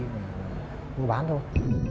không bán thôi